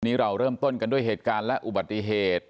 เราเริ่มต้นกันด้วยเหตุการณ์และอุบัติเหตุ